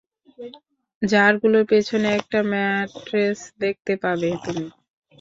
জারগুলোর পেছনে একটা ম্যাট্রেস দেখতে পাবে তুমি।